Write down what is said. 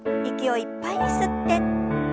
息をいっぱいに吸って。